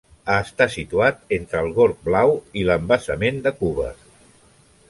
Està situat entre el Gorg Blau i l'embassament de Cúber.